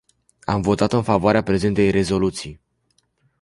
Am votat în favoarea prezentei rezoluții.